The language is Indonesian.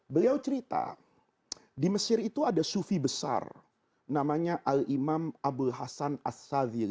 beliau cerita di mesir itu ada sufi besar namanya al imam abul hasan as sadhili